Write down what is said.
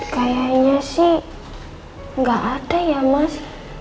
kayaknya sih nggak ada ya mas